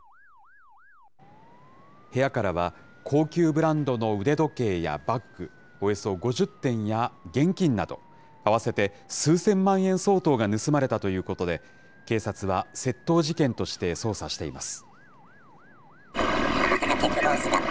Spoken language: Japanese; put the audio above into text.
部屋からは、高級ブランドの腕時計やバッグ、およそ５０点や現金など、合わせて数千万円相当が盗まれたということで、警察は窃盗事件として捜査しています。